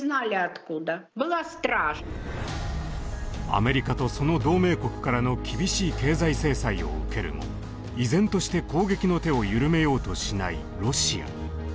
アメリカとその同盟国からの厳しい経済制裁を受けるも依然として攻撃の手を緩めようとしないロシア。